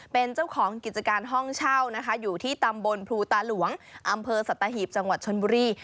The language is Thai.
เป็นเจ้าของกิจการห้องเช่านะคะอยู่ที่ตำบลภูตาหลวงอำเภอสัตหีบจังหวัดชนบุรี